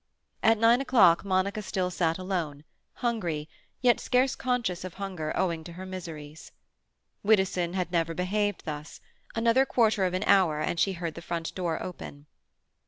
At nine o'clock Monica still sat alone, hungry, yet scarce conscious of hunger owing to her miseries. Widdowson had never behaved thus. Another quarter of an hour and she heard the front door open.